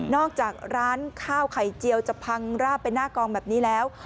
อกจากร้านข้าวไข่เจียวจะพังราบไปหน้ากองแบบนี้แล้ว